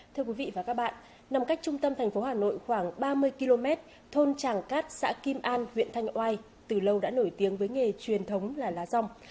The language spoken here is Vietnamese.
thưa quý vị và các bạn nằm cách trung tâm thành phố hà nội khoảng ba mươi km thôn tràng cát xã kim an huyện thanh oai từ lâu đã nổi tiếng với nghề truyền thống là lá rong